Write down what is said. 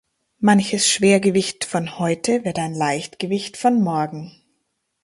Manches Schwergewicht von heute wird ein Leichtgewicht von morgen.